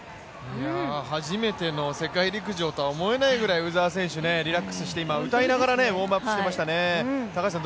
初めての世界陸上とは思えないぐらい鵜澤選手、リラックスして今、歌いながらウォームアップしていましたね。